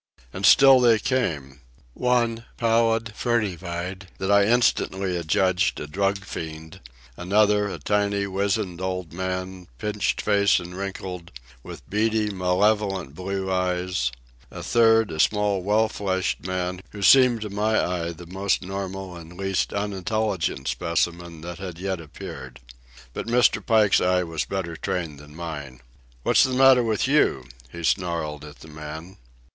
And still they came: one, pallid, furtive eyed, that I instantly adjudged a drug fiend; another, a tiny, wizened old man, pinch faced and wrinkled, with beady, malevolent blue eyes; a third, a small, well fleshed man, who seemed to my eye the most normal and least unintelligent specimen that had yet appeared. But Mr. Pike's eye was better trained than mine. "What's the matter with you?" he snarled at the man.